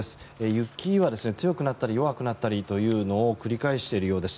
雪は強くなったり弱くなったりというのを繰り返しているようです。